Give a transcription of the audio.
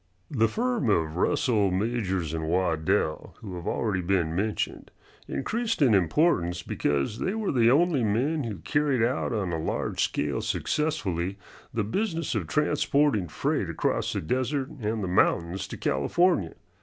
The firm of Russell, Majors & Waddell, who have already been mentioned, increased in importance because they were the only men who carried out on a large scale successfully the business of transporting freight across the desert and the mountains to California.